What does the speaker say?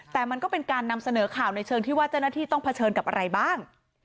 แต่มันก็เป็นการนำเสนอข่าวในเชิงที่ว่าเจ้าหน้าที่ต้องเผชิญกับอะไรบ้าง